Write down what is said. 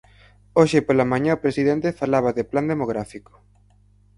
Hoxe pola mañá o presidente falaba de plan demográfico.